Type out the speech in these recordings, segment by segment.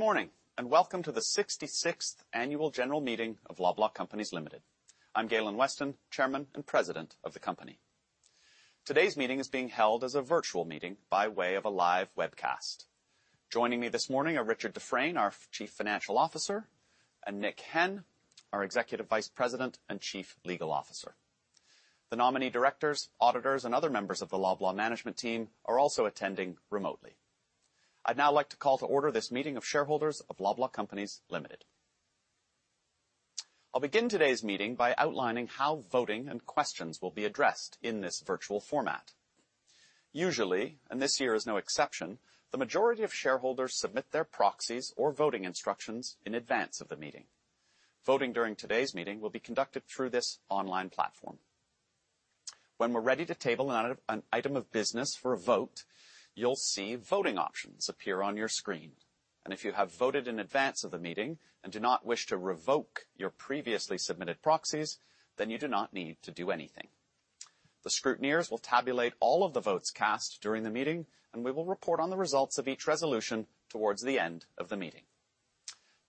Good morning, and welcome to the 66th annual general meeting of Loblaw Companies Limited. I'm Galen Weston, Chairman and President of the company. Today's meeting is being held as a virtual meeting by way of a live webcast. Joining me this morning are Richard Dufresne, our Chief Financial Officer, and Nick Henn, our Executive Vice President and Chief Legal Officer. The nominee directors, auditors, and other members of the Loblaw management team are also attending remotely. I'd now like to call to order this meeting of shareholders of Loblaw Companies Limited. I'll begin today's meeting by outlining how voting and questions will be addressed in this virtual format. Usually, and this year is no exception, the majority of shareholders submit their proxies or voting instructions in advance of the meeting. Voting during today's meeting will be conducted through this online platform. When we're ready to table an item of business for a vote, you'll see voting options appear on your screen. If you have voted in advance of the meeting and do not wish to revoke your previously submitted proxies, then you do not need to do anything. The scrutineers will tabulate all of the votes cast during the meeting, and we will report on the results of each resolution towards the end of the meeting.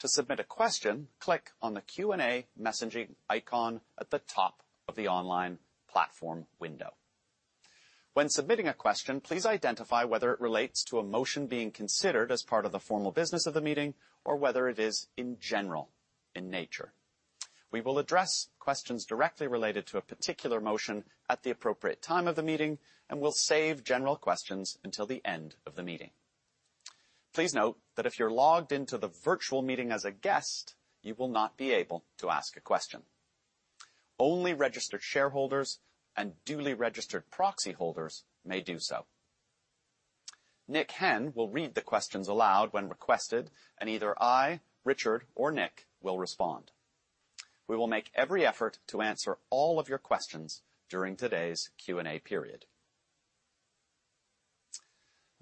To submit a question, click on the Q&A messaging icon at the top of the online platform window. When submitting a question, please identify whether it relates to a motion being considered as part of the formal business of the meeting or whether it is in general in nature. We will address questions directly related to a particular motion at the appropriate time of the meeting, and we'll save general questions until the end of the meeting. Please note that if you're logged into the virtual meeting as a guest, you will not be able to ask a question. Only registered shareholders and duly registered proxy holders may do so. Nick Henn will read the questions aloud when requested, and either I, Richard, or Nick will respond. We will make every effort to answer all of your questions during today's Q&A period.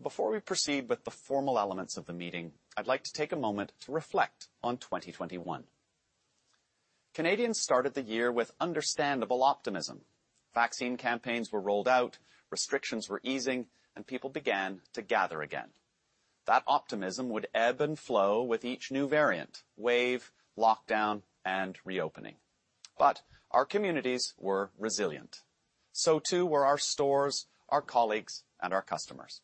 Before we proceed with the formal elements of the meeting, I'd like to take a moment to reflect on 2021. Canadians started the year with understandable optimism. Vaccine campaigns were rolled out, restrictions were easing, and people began to gather again. That optimism would ebb and flow with each new variant, wave, lockdown, and reopening. Our communities were resilient, so too were our stores, our colleagues, and our customers.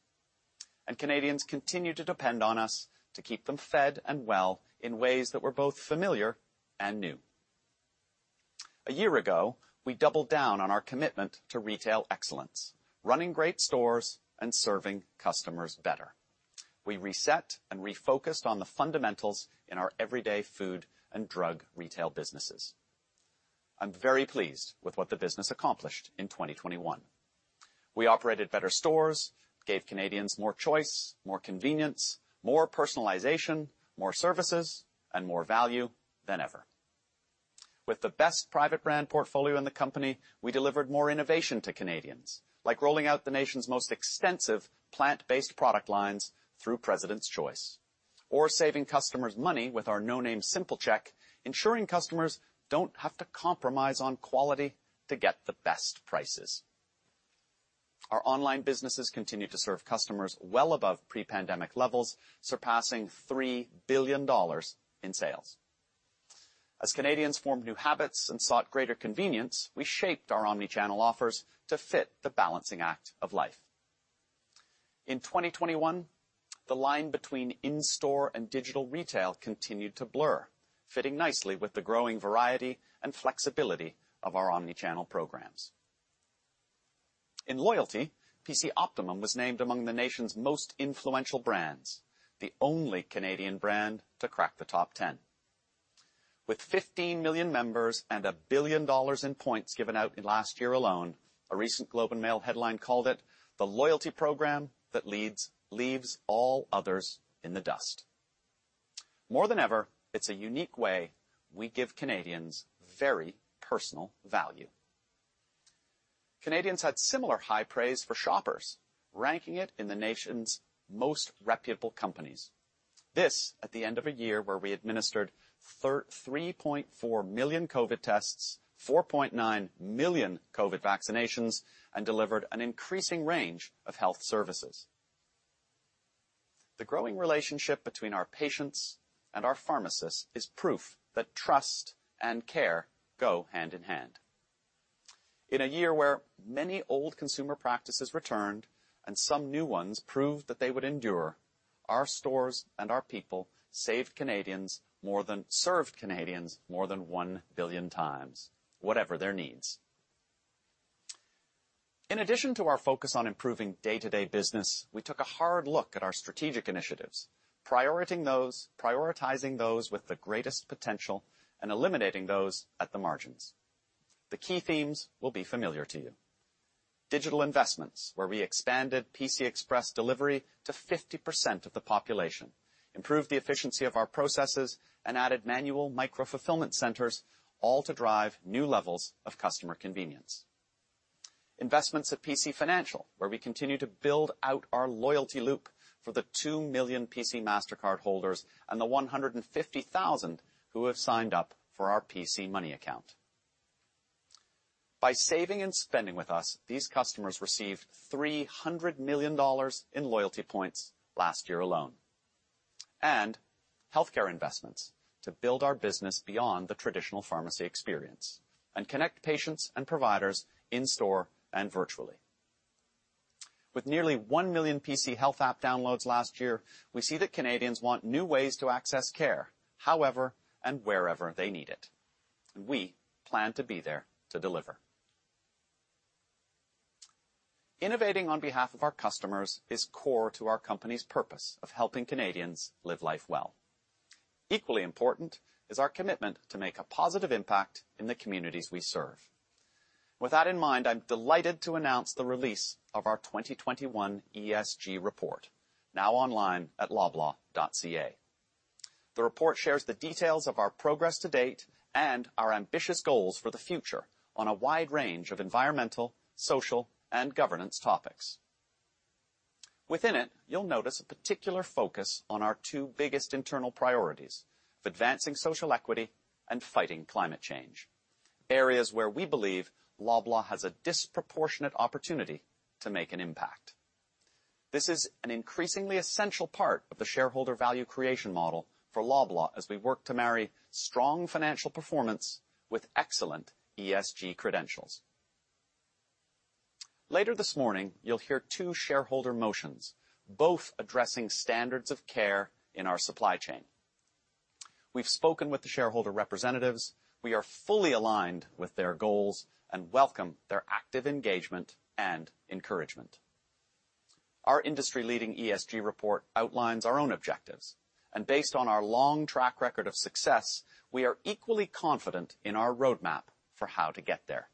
Canadians continued to depend on us to keep them fed and well in ways that were both familiar and new. A year ago, we doubled down on our commitment to retail excellence, running great stores and serving customers better. We reset and refocused on the fundamentals in our everyday food and drug retail businesses. I'm very pleased with what the business accomplished in 2021. We operated better stores, gave Canadians more choice, more convenience, more personalization, more services, and more value than ever. With the best private brand portfolio in the company, we delivered more innovation to Canadians, like rolling out the nation's most extensive plant-based product lines through President's Choice, or saving customers money with our no name Simple Check, ensuring customers don't have to compromise on quality to get the best prices. Our online businesses continued to serve customers well above pre-pandemic levels, surpassing 3 billion dollars in sales. As Canadians formed new habits and sought greater convenience, we shaped our omni-channel offers to fit the balancing act of life. In 2021, the line between in-store and digital retail continued to blur, fitting nicely with the growing variety and flexibility of our omni-channel programs. In loyalty, PC Optimum was named among the nation's most influential brands, the only Canadian brand to crack the top 10. With 15 million members and 1 billion dollars in points given out in last year alone, a recent The Globe and Mail headline called it the loyalty program that leads, leaves all others in the dust. More than ever, it's a unique way we give Canadians very personal value. Canadians had similar high praise for Shoppers Drug Mart, ranking it in the nation's most reputable companies. This at the end of a year where we administered 3.4 million COVID tests, 4.9 million COVID vaccinations, and delivered an increasing range of health services. The growing relationship between our patients and our pharmacists is proof that trust and care go hand in hand. In a year where many old consumer practices returned and some new ones proved that they would endure, our stores and our people served Canadians more than 1 billion times, whatever their needs. In addition to our focus on improving day-to-day business, we took a hard look at our strategic initiatives, prioritizing those with the greatest potential and eliminating those at the margins. The key themes will be familiar to you. Digital investments, where we expanded PC Express delivery to 50% of the population, improved the efficiency of our processes, and added manual micro-fulfillment centers, all to drive new levels of customer convenience. Investments at PC Financial, where we continue to build out our loyalty loop for the 2 million PC Mastercard holders and the 150,000 who have signed up for our PC Money Account. By saving and spending with us, these customers received 300 million dollars in loyalty points last year alone. Healthcare investments to build our business beyond the traditional pharmacy experience and connect patients and providers in store and virtually. With nearly 1 million PC Health app downloads last year, we see that Canadians want new ways to access care, however and wherever they need it, and we plan to be there to deliver. Innovating on behalf of our customers is core to our company's purpose of helping Canadians live life well. Equally important is our commitment to make a positive impact in the communities we serve. With that in mind, I'm delighted to announce the release of our 2021 ESG report now online at loblaw.ca. The report shares the details of our progress to date and our ambitious goals for the future on a wide range of environmental, social, and governance topics. Within it, you'll notice a particular focus on our two biggest internal priorities of advancing social equity and fighting climate change, areas where we believe Loblaw has a disproportionate opportunity to make an impact. This is an increasingly essential part of the shareholder value creation model for Loblaw as we work to marry strong financial performance with excellent ESG credentials. Later this morning, you'll hear two shareholder motions, both addressing standards of care in our supply chain. We've spoken with the shareholder representatives. We are fully aligned with their goals and welcome their active engagement and encouragement. Our industry-leading ESG report outlines our own objectives, and based on our long track record of success, we are equally confident in our roadmap for how to get there.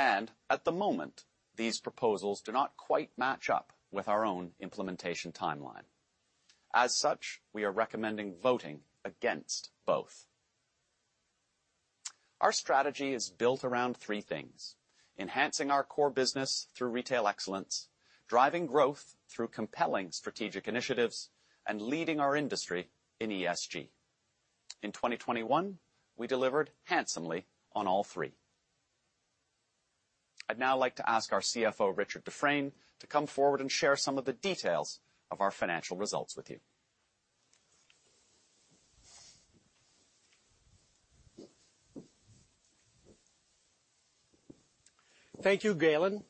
At the moment, these proposals do not quite match up with our own implementation timeline. As such, we are recommending voting against both. Our strategy is built around three things, enhancing our core business through retail excellence, driving growth through compelling strategic initiatives, and leading our industry in ESG. In 2021, we delivered handsomely on all three. I'd now like to ask our CFO, Richard Dufresne, to come forward and share some of the details of our financial results with you. Thank you, Galen.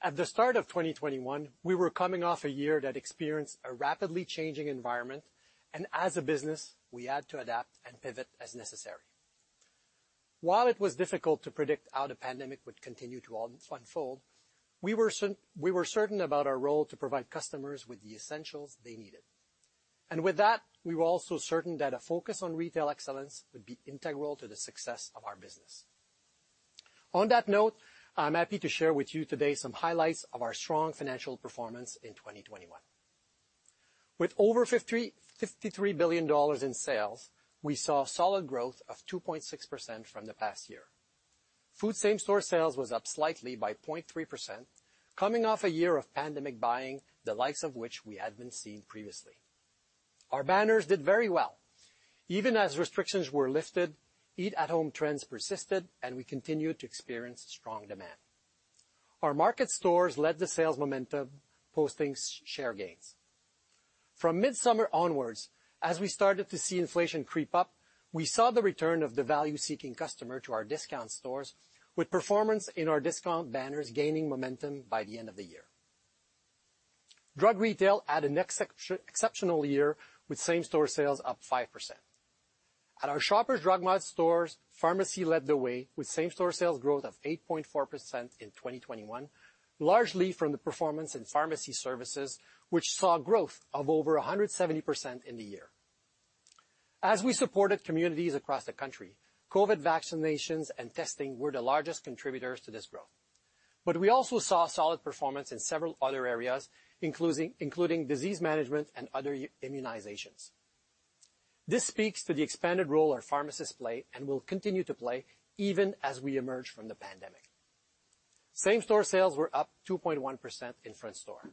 At the start of 2021, we were coming off a year that experienced a rapidly changing environment, and as a business, we had to adapt and pivot as necessary. While it was difficult to predict how the pandemic would continue to unfold, we were certain about our role to provide customers with the essentials they needed. With that, we were also certain that a focus on retail excellence would be integral to the success of our business. On that note, I'm happy to share with you today some highlights of our strong financial performance in 2021. With over 53 billion dollars in sales, we saw solid growth of 2.6% from the past year. Food same-store sales was up slightly by 0.3%, coming off a year of pandemic buying, the likes of which we hadn't seen previously. Our banners did very well. Even as restrictions were lifted, eat-at-home trends persisted, and we continued to experience strong demand. Our market stores led the sales momentum, posting share gains. From midsummer onwards, as we started to see inflation creep up, we saw the return of the value-seeking customer to our discount stores with performance in our discount banners gaining momentum by the end of the year. Drug retail had an exceptional year with same store sales up 5%. At our Shoppers Drug Mart stores, pharmacy led the way with same store sales growth of 8.4% in 2021, largely from the performance in pharmacy services, which saw growth of over 170% in the year. As we supported communities across the country, COVID vaccinations and testing were the largest contributors to this growth. We also saw solid performance in several other areas, including disease management and other immunizations. This speaks to the expanded role our pharmacists play and will continue to play even as we emerge from the pandemic. Same store sales were up 2.1% in front store.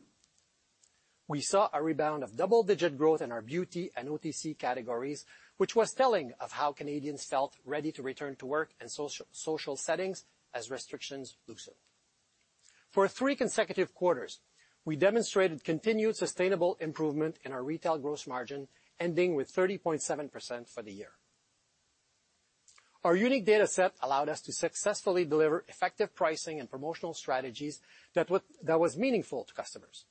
We saw a rebound of double-digit growth in our beauty and OTC categories, which was telling of how Canadians felt ready to return to work and social settings as restrictions loosened. For three consecutive quarters, we demonstrated continued sustainable improvement in our retail gross margin, ending with 30.7% for the year. Our unique data set allowed us to successfully deliver effective pricing and promotional strategies that that was meaningful to customers.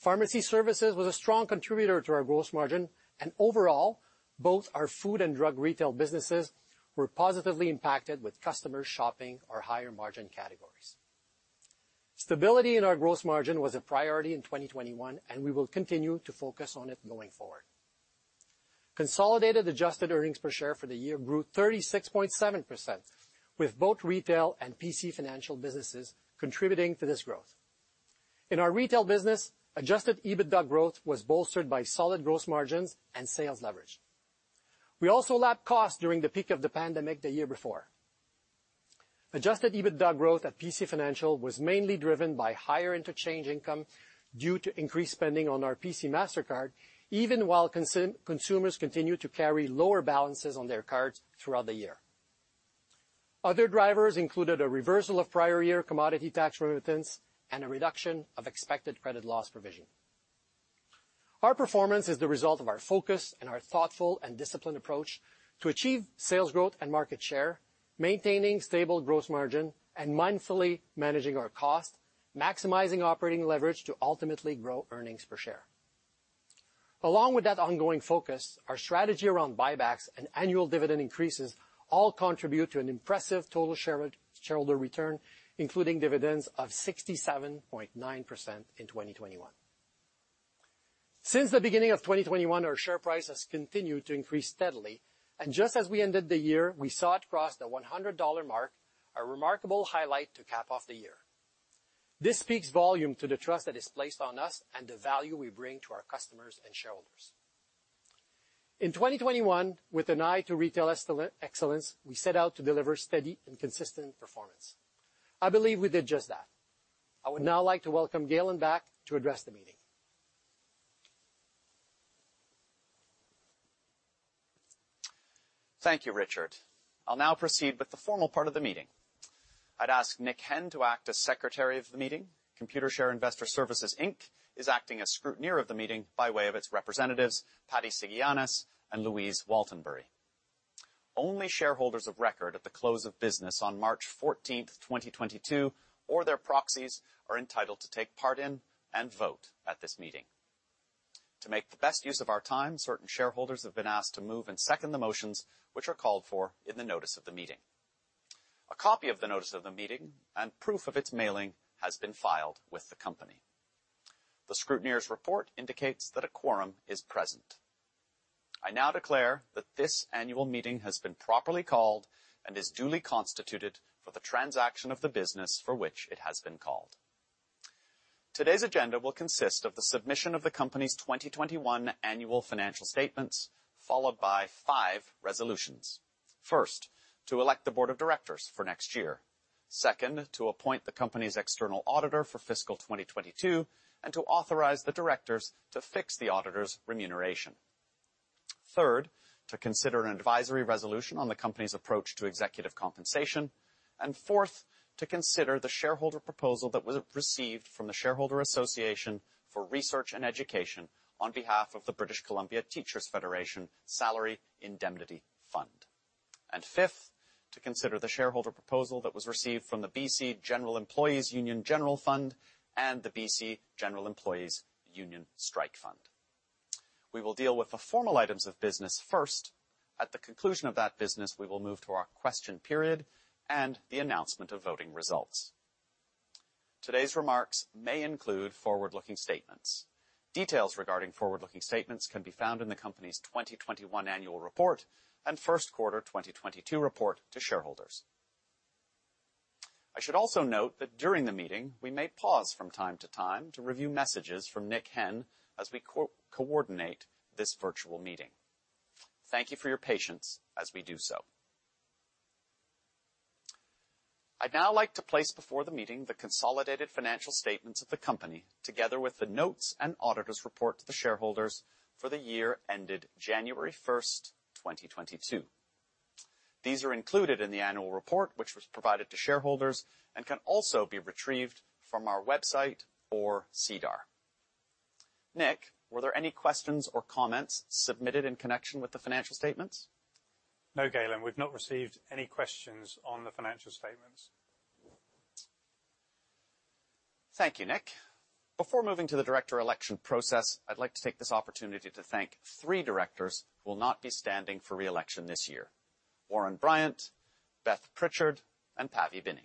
Pharmacy services was a strong contributor to our gross margin, and overall, both our food and drug retail businesses were positively impacted with customer shopping our higher margin categories. Stability in our gross margin was a priority in 2021, and we will continue to focus on it going forward. Consolidated adjusted earnings per share for the year grew 36.7%, with both retail and PC Financial businesses contributing to this growth. In our retail business, adjusted EBITDA growth was bolstered by solid gross margins and sales leverage. We also lapped costs during the peak of the pandemic the year before. Adjusted EBITDA growth at PC Financial was mainly driven by higher interchange income due to increased spending on our PC Mastercard, even while consumers continued to carry lower balances on their cards throughout the year. Other drivers included a reversal of prior year commodity tax remittance and a reduction of expected credit loss provision. Our performance is the result of our focus and our thoughtful and disciplined approach to achieve sales growth and market share, maintaining stable gross margin, and mindfully managing our costs, maximizing operating leverage to ultimately grow earnings per share. Along with that ongoing focus, our strategy around buybacks and annual dividend increases all contribute to an impressive total shareholder return, including dividends of 67.9% in 2021. Since the beginning of 2021, our share price has continued to increase steadily, and just as we ended the year, we saw it cross the 100 dollar mark, a remarkable highlight to cap off the year. This speaks volumes to the trust that is placed on us and the value we bring to our customers and shareholders. In 2021, with an eye to retail excellence, we set out to deliver steady and consistent performance. I believe we did just that. I would now like to welcome Galen back to address the meeting. Thank you, Richard. I'll now proceed with the formal part of the meeting. I'd ask Nick Henn to act as Secretary of the meeting. Computershare Investor Services Inc. is acting as scrutineer of the meeting by way of its representatives, Patty Sigiannis and Louise Waltenbury. Only shareholders of record at the close of business on March 14, 2022, or their proxies, are entitled to take part in and vote at this meeting. To make the best use of our time, certain shareholders have been asked to move and second the motions which are called for in the notice of the meeting. A copy of the notice of the meeting and proof of its mailing has been filed with the company. The scrutineer's report indicates that a quorum is present. I now declare that this annual meeting has been properly called and is duly constituted for the transaction of the business for which it has been called. Today's agenda will consist of the submission of the company's 2021 annual financial statements, followed by five resolutions. First, to elect the board of directors for next year. Second, to appoint the company's external auditor for fiscal 2022, and to authorize the directors to fix the auditor's remuneration. Third, to consider an advisory resolution on the company's approach to executive compensation. Fourth, to consider the shareholder proposal that was received from the Shareholder Association for Research and Education on behalf of the British Columbia Teachers' Federation Salary Indemnity Fund. Fifth, to consider the shareholder proposal that was received from the BC General Employees' Union General Fund and the BC General Employees' Union Strike Fund. We will deal with the formal items of business first. At the conclusion of that business, we will move to our question period and the announcement of voting results. Today's remarks may include forward-looking statements. Details regarding forward-looking statements can be found in the company's 2021 annual report and first quarter 2022 report to shareholders. I should also note that during the meeting, we may pause from time to time to review messages from Nick Henn as we coordinate this virtual meeting. Thank you for your patience as we do so. I'd now like to place before the meeting the consolidated financial statements of the company, together with the notes and auditor's report to the shareholders for the year ended January 1, 2022. These are included in the annual report, which was provided to shareholders and can also be retrieved from our website or SEDAR. Nick, were there any questions or comments submitted in connection with the financial statements? No, Galen, we've not received any questions on the financial statements. Thank you, Nick. Before moving to the director election process, I'd like to take this opportunity to thank three directors who will not be standing for re-election this year, Warren Bryant, Beth Pritchard, and Paviter Binning.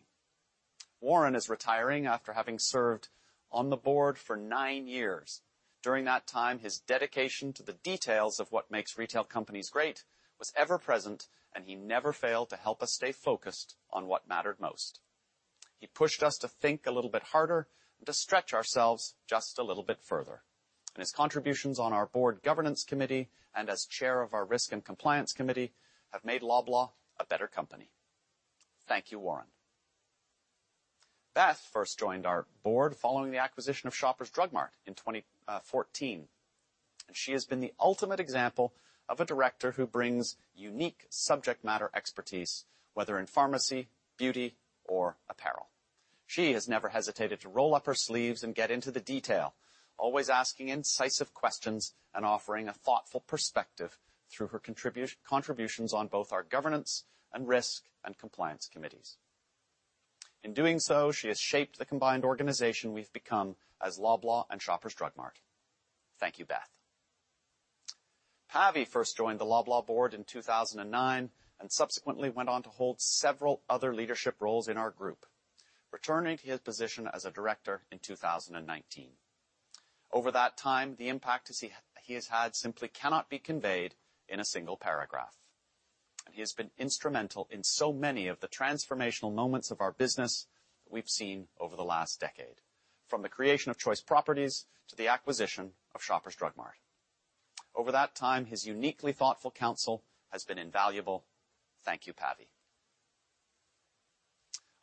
Warren is retiring after having served on the board for nine years. During that time, his dedication to the details of what makes retail companies great was ever present, and he never failed to help us stay focused on what mattered most. He pushed us to think a little bit harder and to stretch ourselves just a little bit further, and his contributions on our board governance committee and as chair of our risk and compliance committee have made Loblaw a better company. Thank you, Warren. Beth first joined our board following the acquisition of Shoppers Drug Mart in 2014, and she has been the ultimate example of a director who brings unique subject matter expertise, whether in pharmacy, beauty, or apparel. She has never hesitated to roll up her sleeves and get into the detail, always asking incisive questions and offering a thoughtful perspective through her contributions on both our governance and risk and compliance committees. In doing so, she has shaped the combined organization we've become as Loblaw and Shoppers Drug Mart. Thank you, Beth. Pavi first joined the Loblaw board in 2009 and subsequently went on to hold several other leadership roles in our group, returning to his position as a director in 2019. Over that time, the impact he has had simply cannot be conveyed in a single paragraph. He has been instrumental in so many of the transformational moments of our business we've seen over the last decade, from the creation of Choice Properties to the acquisition of Shoppers Drug Mart. Over that time, his uniquely thoughtful counsel has been invaluable. Thank you, Pavi.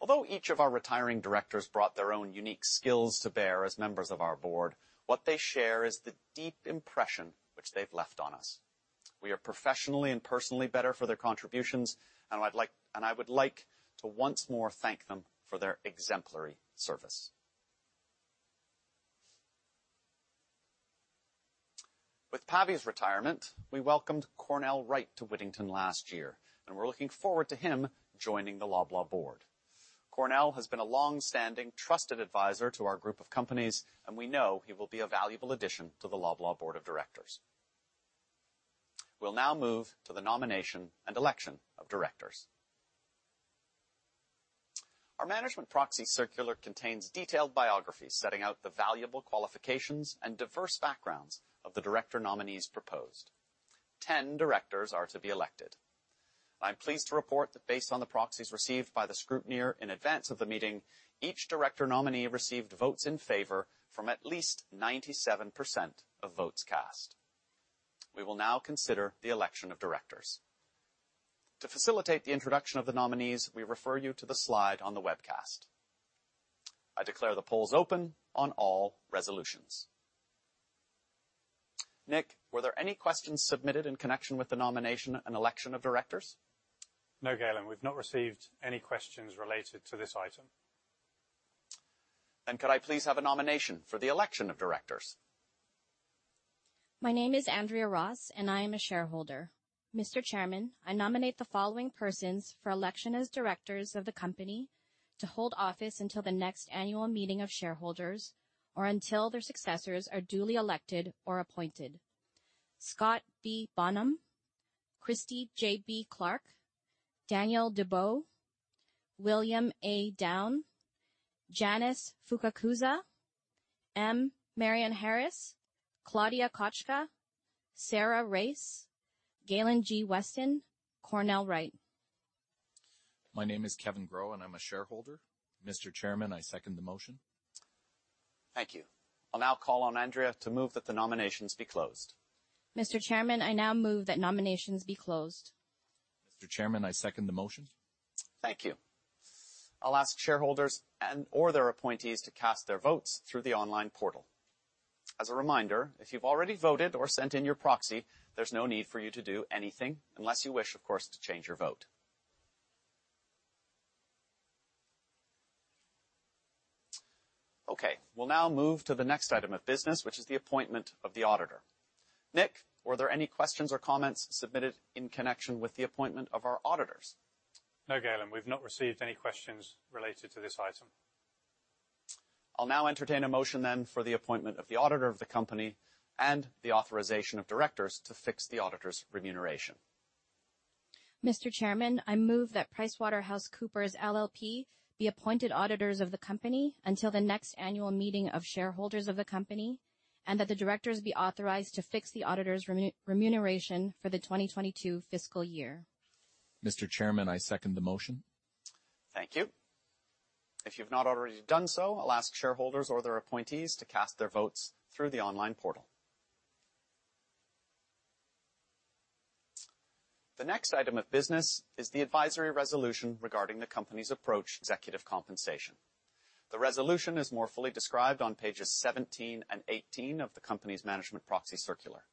Although each of our retiring directors brought their own unique skills to bear as members of our board, what they share is the deep impression which they've left on us. We are professionally and personally better for their contributions, and I would like to once more thank them for their exemplary service. With Pavi's retirement, we welcomed Cornell Wright to Wittington last year, and we're looking forward to him joining the Loblaw board. Cornell has been a long-standing trusted advisor to our group of companies, and we know he will be a valuable addition to the Loblaw board of directors. We'll now move to the nomination and election of directors. Our management proxy circular contains detailed biographies setting out the valuable qualifications and diverse backgrounds of the director nominees proposed. 10 directors are to be elected. I'm pleased to report that based on the proxies received by the scrutineer in advance of the meeting, each director nominee received votes in favor from at least 97% of votes cast. We will now consider the election of directors. To facilitate the introduction of the nominees, we refer you to the slide on the webcast. I declare the polls open on all resolutions. Nick, were there any questions submitted in connection with the nomination and election of directors? No, Galen. We've not received any questions related to this item. Could I please have a nomination for the election of directors? My name is Andrea Ross, and I am a shareholder. Mr. Chairman, I nominate the following persons for election as directors of the company to hold office until the next annual meeting of shareholders or until their successors are duly elected or appointed. Scott B. Bonham, Christie J.B. Clark, Daniel Debow, William A. Downe, Janice Fukakusa, M. Marianne Harris, Claudia Kotchka, Sarah Raiss, Galen G. Weston, Cornell Wright. My name is Kevin Groh, and I'm a shareholder. Mr. Chairman, I second the motion. Thank you. I'll now call on Andrea to move that the nominations be closed. Mr. Chairman, I now move that nominations be closed. Mr. Chairman, I second the motion. Thank you. I'll ask shareholders and/or their appointees to cast their votes through the online portal. As a reminder, if you've already voted or sent in your proxy, there's no need for you to do anything unless you wish, of course, to change your vote. Okay, we'll now move to the next item of business, which is the appointment of the auditor. Nick, were there any questions or comments submitted in connection with the appointment of our auditors? No, Galen, we've not received any questions related to this item. I'll now entertain a motion then for the appointment of the auditor of the company and the authorization of directors to fix the auditor's remuneration. Mr. Chairman, I move that PricewaterhouseCoopers LLP be appointed auditors of the company until the next annual meeting of shareholders of the company, and that the directors be authorized to fix the auditor's remuneration for the 2022 fiscal year. Mr. Chairman, I second the motion. Thank you. If you've not already done so, I'll ask shareholders or their appointees to cast their votes through the online portal. The next item of business is the advisory resolution regarding the company's approach to executive compensation. The resolution is more fully described on pages 17 and 18 of the company's management proxy circular.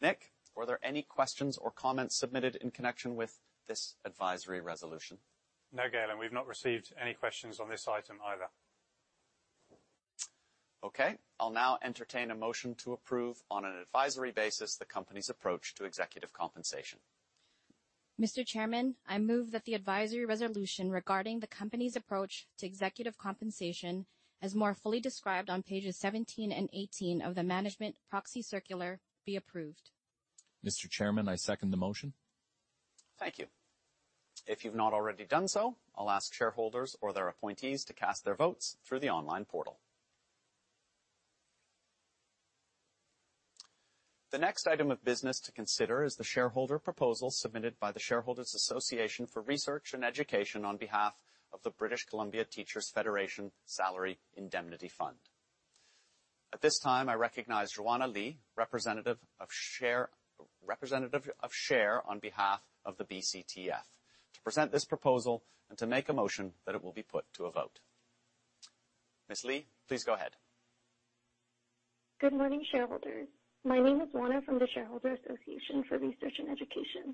Nick, were there any questions or comments submitted in connection with this advisory resolution? No, Galen, we've not received any questions on this item either. Okay. I'll now entertain a motion to approve on an advisory basis the company's approach to executive compensation. Mr. Chairman, I move that the advisory resolution regarding the company's approach to executive compensation, as more fully described on pages 17 and 18 of the management proxy circular, be approved. Mr. Chairman, I second the motion. Thank you. If you've not already done so, I'll ask shareholders or their appointees to cast their votes through the online portal. The next item of business to consider is the shareholder proposal submitted by the Shareholder Association for Research and Education on behalf of the British Columbia Teachers' Federation Salary Indemnity Fund. At this time, I recognize Juana Lee, representative of SHARE on behalf of the BCTF, to present this proposal and to make a motion that it will be put to a vote. Ms. Lee, please go ahead. Good morning, shareholders. My name is Juana from the Shareholder Association for Research and Education.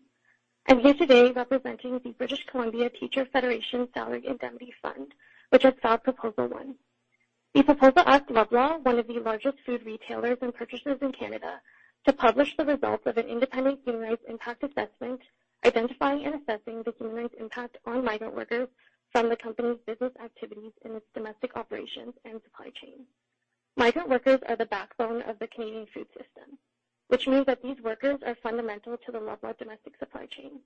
I'm here today representing the British Columbia Teachers' Federation Salary Indemnity Fund, which has filed proposal one. The proposal asks Loblaw, one of the largest food retailers and purchasers in Canada, to publish the results of an independent human rights impact assessment, identifying and assessing the human rights impact on migrant workers from the company's business activities in its domestic operations and supply chain. Migrant workers are the backbone of the Canadian food system, which means that these workers are fundamental to the Loblaw domestic supply chain.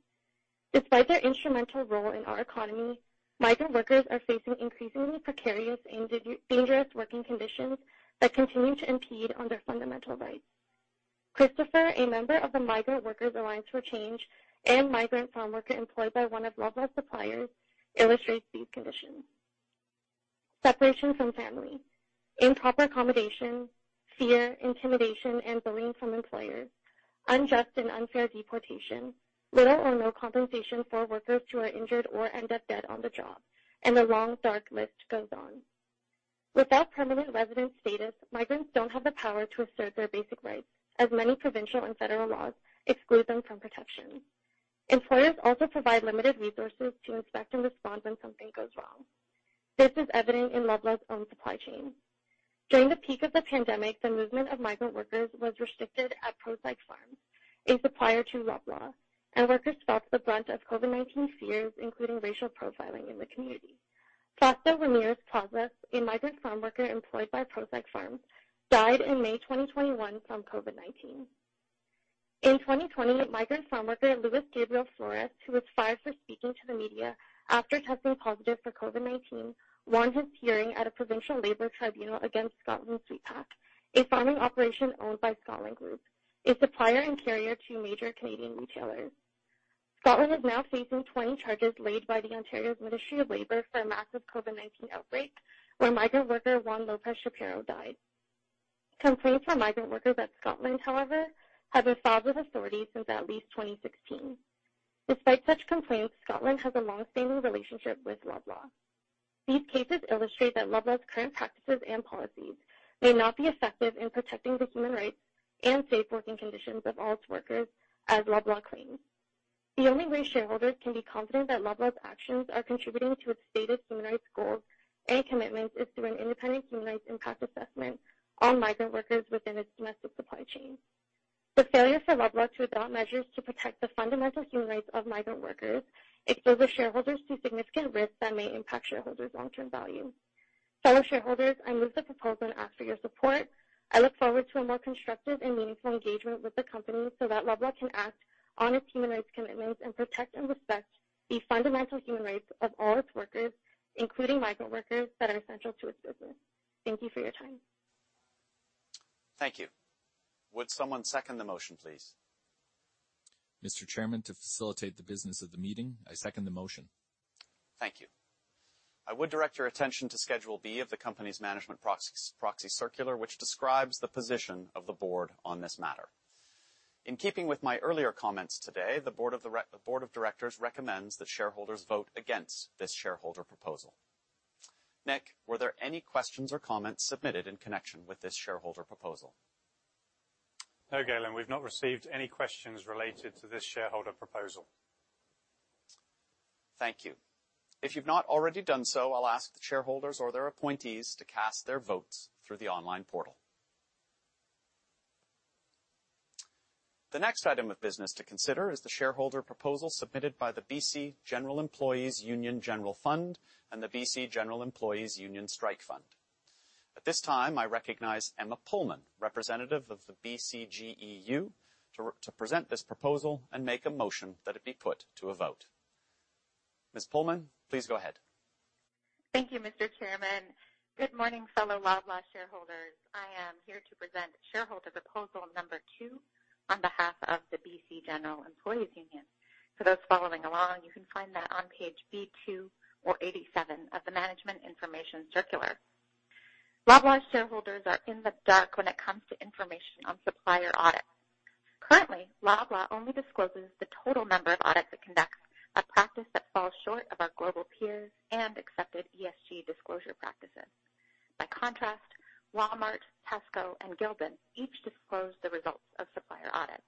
Despite their instrumental role in our economy, migrant workers are facing increasingly precarious and dangerous working conditions that continue to impede on their fundamental rights. Christopher, a member of the Migrant Workers Alliance for Change and migrant farm worker employed by one of Loblaw's suppliers, illustrates these conditions. Separation from family, improper accommodation, fear, intimidation, and bullying from employers, unjust and unfair deportation, little or no compensation for workers who are injured or end up dead on the job, and the long, dark list goes on. Without permanent resident status, migrants don't have the power to assert their basic rights, as many provincial and federal laws exclude them from protection. Employers also provide limited resources to inspect and respond when something goes wrong. This is evident in Loblaw's own supply chain. During the peak of the pandemic, the movement of migrant workers was restricted at Procyk Farms, a supplier to Loblaw, and workers felt the brunt of COVID-19 fears, including racial profiling in the community. Fausto Ramirez Plazas, a migrant farm worker employed by Procyk Farms, died in May 2021 from COVID-19. In 2020, migrant farm worker Luis Gabriel Flores, who was fired for speaking to the media after testing positive for COVID-19, won his hearing at a provincial labor tribunal against Scotlynn Sweetpac, a farming operation owned by Scotlynn Group, a supplier and carrier to major Canadian retailers. Scotlynn is now facing 20 charges laid by the Ontario Ministry of Labour for a massive COVID-19 outbreak where migrant worker Juan Lopez Chaparro died. Complaints from migrant workers at Scotlynn, however, have been filed with authorities since at least 2016. Despite such complaints, Scotlynn has a long-standing relationship with Loblaw. These cases illustrate that Loblaw's current practices and policies may not be effective in protecting the human rights and safe working conditions of all its workers as Loblaw claims. The only way shareholders can be confident that Loblaw's actions are contributing to its stated human rights goals and commitments is through an independent human rights impact assessment on migrant workers within its domestic supply chain. The failure for Loblaw to adopt measures to protect the fundamental human rights of migrant workers exposes shareholders to significant risks that may impact shareholders' long-term value. Fellow shareholders, I move the proposal and ask for your support. I look forward to a more constructive and meaningful engagement with the company so that Loblaw can act on its human rights commitments and protect and respect the fundamental human rights of all its workers, including migrant workers that are central to its business. Thank you for your time. Thank you. Would someone second the motion, please? Mr. Chairman, to facilitate the business of the meeting, I second the motion. Thank you. I would direct your attention to Schedule B of the company's management proxy circular, which describes the position of the board on this matter. In keeping with my earlier comments today, the Board of Directors recommends that shareholders vote against this shareholder proposal. Nick, were there any questions or comments submitted in connection with this shareholder proposal? No, Galen, we've not received any questions related to this shareholder proposal. Thank you. If you've not already done so, I'll ask the shareholders or their appointees to cast their votes through the online portal. The next item of business to consider is the shareholder proposal submitted by the BC General Employees' Union General Fund and the BC General Employees' Union Strike Fund. At this time, I recognize Emma Pullman, representative of the BCGEU, to present this proposal and make a motion that it be put to a vote. Ms. Pullman, please go ahead. Thank you, Mr. Chairman. Good morning, fellow Loblaw shareholders. I am here to present shareholder proposal number two on behalf of the BC General Employees' Union. For those following along, you can find that on page B-2 or 87 of the Management Information Circular. Loblaw shareholders are in the dark when it comes to information on supplier audits. Currently, Loblaw only discloses the total number of audits it conducts, a practice that falls short of our global peers and accepted ESG disclosure practices. By contrast, Walmart, Tesco, and Gildan each disclose the results of supplier audits.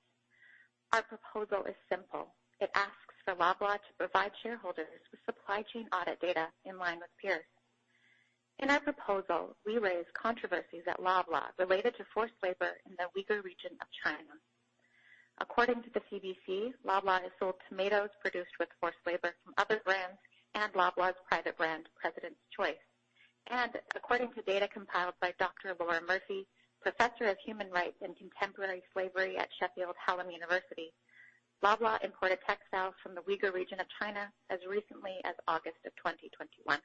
Our proposal is simple. It asks for Loblaw to provide shareholders with supply chain audit data in line with peers. In our proposal, we raise controversies at Loblaw related to forced labor in the Uyghur region of China. According to the CBC, Loblaw has sold tomatoes produced with forced labor from other brands and Loblaw's private brand, President's Choice. According to data compiled by Dr. Laura Murphy, professor of human rights and contemporary slavery at Sheffield Hallam University, Loblaw imported textiles from the Uyghur region of China as recently as August 2021.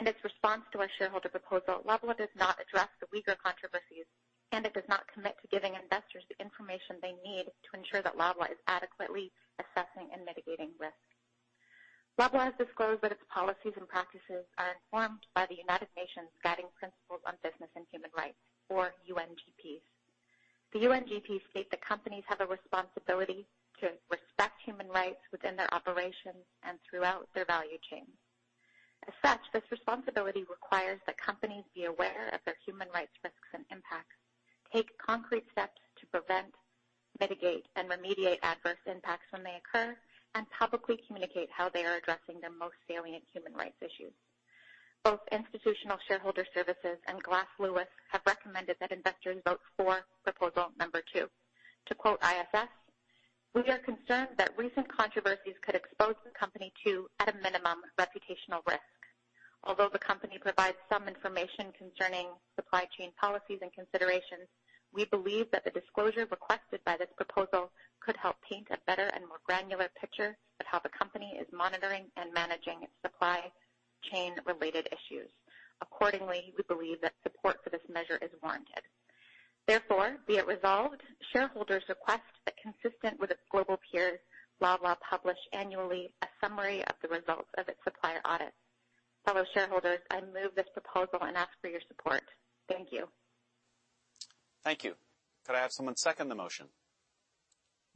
In its response to our shareholder proposal, Loblaw does not address the Uyghur controversies, and it does not commit to giving investors the information they need to ensure that Loblaw is adequately assessing and mitigating risk. Loblaw has disclosed that its policies and practices are informed by the United Nations Guiding Principles on Business and Human Rights, or UNGPs. The UNGPs state that companies have a responsibility to respect human rights within their operations and throughout their value chains. As such, this responsibility requires that companies be aware of their human rights risks and impacts, take concrete steps to prevent, mitigate, and remediate adverse impacts when they occur, and publicly communicate how they are addressing the most salient human rights issues. Both Institutional Shareholder Services and Glass Lewis have recommended that investors vote for proposal number two. To quote ISS, "We are concerned that recent controversies could expose the company to, at a minimum, reputational risk. Although the company provides some information concerning supply chain policies and considerations, we believe that the disclosure requested by this proposal could help paint a better and more granular picture of how the company is monitoring and managing its supply chain-related issues. Accordingly, we believe that support for this measure is warranted. Therefore, be it resolved, shareholders request that consistent with its global peers, Loblaw publish annually a summary of the results of its supplier audit. Fellow shareholders, I move this proposal and ask for your support. Thank you. Thank you. Could I have someone second the motion?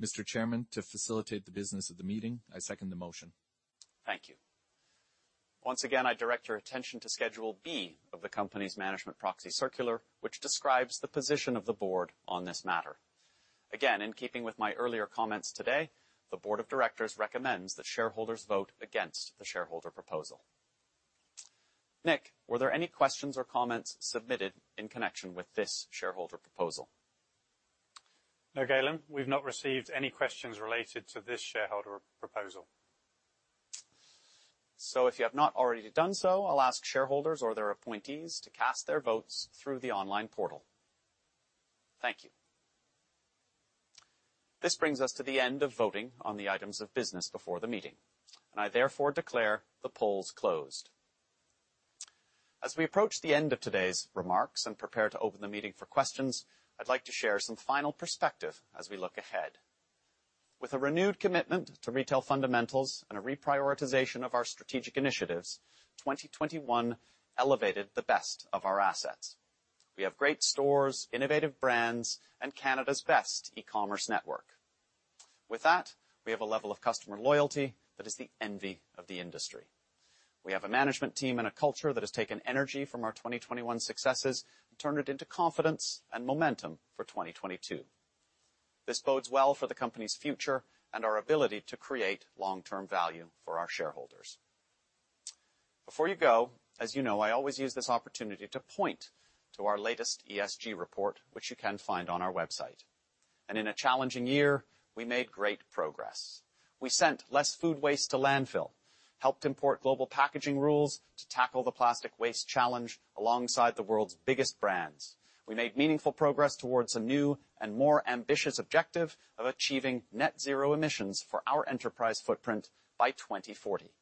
Mr. Chairman, to facilitate the business of the meeting, I second the motion. Thank you. Once again, I direct your attention to Schedule B of the company's management proxy circular, which describes the position of the board on this matter. Again, in keeping with my earlier comments today, the board of directors recommends that shareholders vote against the shareholder proposal. Nick, were there any questions or comments submitted in connection with this shareholder proposal? No, Galen. We've not received any questions related to this shareholder proposal. If you have not already done so, I'll ask shareholders or their appointees to cast their votes through the online portal. Thank you. This brings us to the end of voting on the items of business before the meeting, and I therefore declare the polls closed. As we approach the end of today's remarks and prepare to open the meeting for questions, I'd like to share some final perspective as we look ahead. With a renewed commitment to retail fundamentals and a reprioritization of our strategic initiatives, 2021 elevated the best of our assets. We have great stores, innovative brands, and Canada's best e-commerce network. With that, we have a level of customer loyalty that is the envy of the industry. We have a management team and a culture that has taken energy from our 2021 successes and turned it into confidence and momentum for 2022. This bodes well for the company's future and our ability to create long-term value for our shareholders. Before you go, as you know, I always use this opportunity to point to our latest ESG report, which you can find on our website. In a challenging year, we made great progress. We sent less food waste to landfill, helped import global packaging rules to tackle the plastic waste challenge alongside the world's biggest brands. We made meaningful progress towards a new and more ambitious objective of achieving net zero emissions for our enterprise footprint by 2040.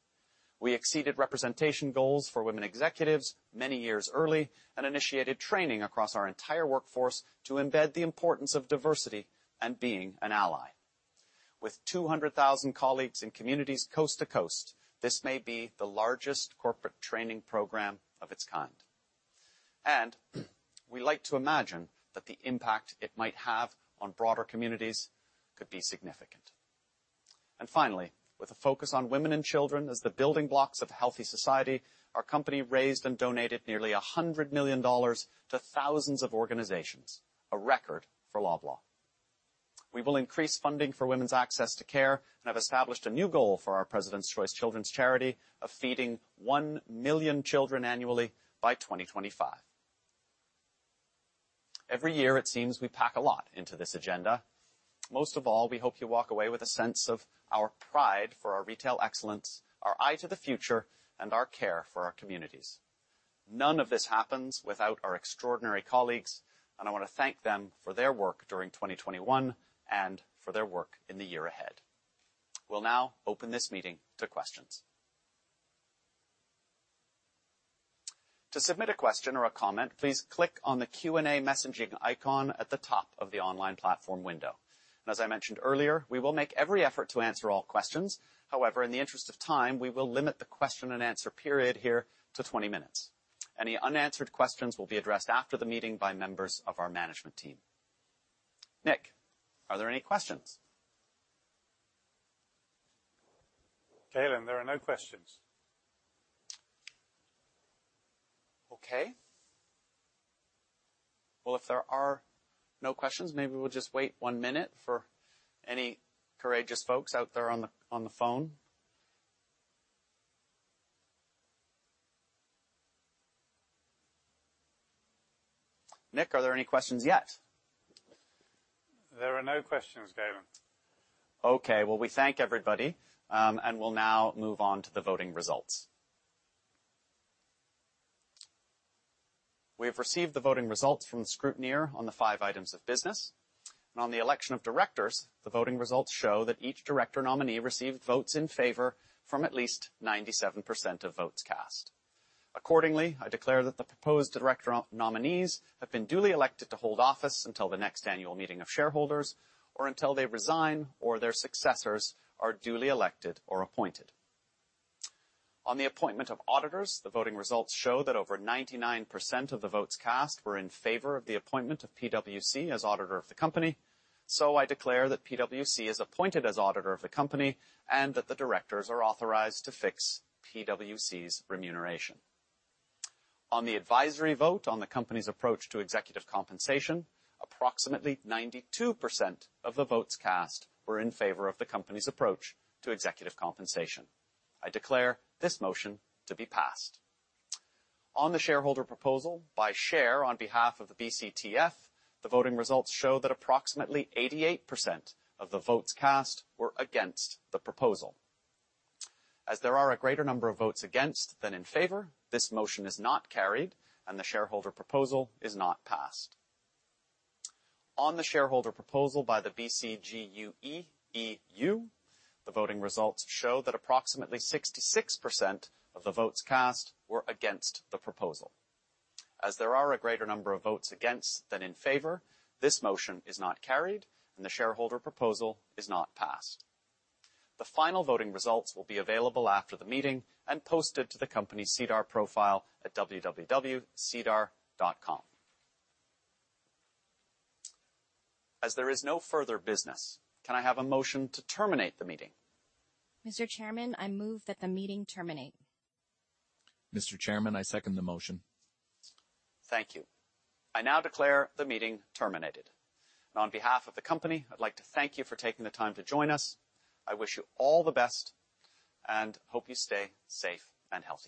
We exceeded representation goals for women executives many years early and initiated training across our entire workforce to embed the importance of diversity and being an ally. With 200,000 colleagues in communities coast to coast, this may be the largest corporate training program of its kind. We like to imagine that the impact it might have on broader communities could be significant. Finally, with a focus on women and children as the building blocks of a healthy society, our company raised and donated nearly 100 million dollars to thousands of organizations, a record for Loblaw. We will increase funding for women's access to care and have established a new goal for our President's Choice Children's Charity of feeding 1 million children annually by 2025. Every year, it seems we pack a lot into this agenda. Most of all, we hope you walk away with a sense of our pride for our retail excellence, our eye to the future, and our care for our communities. None of this happens without our extraordinary colleagues, and I wanna thank them for their work during 2021 and for their work in the year ahead. We'll now open this meeting to questions. To submit a question or a comment, please click on the Q&A messaging icon at the top of the online platform window. As I mentioned earlier, we will make every effort to answer all questions. However, in the interest of time, we will limit the question and answer period here to 20 minutes. Any unanswered questions will be addressed after the meeting by members of our management team. Nick, are there any questions? Galen, there are no questions. Okay. Well, if there are no questions, maybe we'll just wait one minute for any courageous folks out there on the phone. Nick, are there any questions yet? There are no questions, Galen. Okay. Well, we thank everybody, and we'll now move on to the voting results. We have received the voting results from the scrutineer on the five items of business. On the election of directors, the voting results show that each director nominee received votes in favor from at least 97% of votes cast. Accordingly, I declare that the proposed director nominees have been duly elected to hold office until the next annual meeting of shareholders, or until they resign or their successors are duly elected or appointed. On the appointment of auditors, the voting results show that over 99% of the votes cast were in favor of the appointment of PwC as auditor of the company. I declare that PwC is appointed as auditor of the company and that the directors are authorized to fix PwC's remuneration. On the advisory vote on the company's approach to executive compensation, approximately 92% of the votes cast were in favor of the company's approach to executive compensation. I declare this motion to be passed. On the shareholder proposal by SHARE on behalf of the BCTF, the voting results show that approximately 88% of the votes cast were against the proposal. As there are a greater number of votes against than in favor, this motion is not carried, and the shareholder proposal is not passed. On the shareholder proposal by the BCGEU, the voting results show that approximately 66% of the votes cast were against the proposal. As there are a greater number of votes against than in favor, this motion is not carried, and the shareholder proposal is not passed. The final voting results will be available after the meeting and posted to the company's SEDAR profile at www.sedar.com. As there is no further business, can I have a motion to terminate the meeting? Mr. Chairman, I move that the meeting terminate. Mr. Chairman, I second the motion. Thank you. I now declare the meeting terminated. On behalf of the company, I'd like to thank you for taking the time to join us. I wish you all the best and hope you stay safe and healthy.